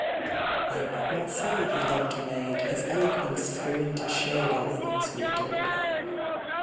I need not say he loved a maid— His eloquence threw into shade All others who adored her.